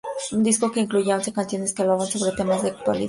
Un disco que incluía once canciones que hablaban sobre temas de actualidad.